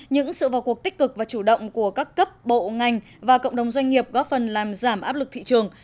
những sự vào cuộc tích cực và chủ động của các cấp bộ ngành và cộng đồng doanh nghiệp góp phần làm giảm áp lực thị trường